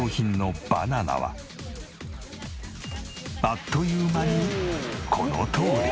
あっという間にこのとおり。